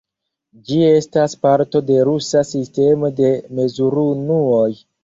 Ĝi estas parto de rusa sistemo de mezurunuoj.